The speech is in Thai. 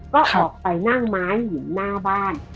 ก็ออกไปนั่งไม้อยู่หน้าบ้าน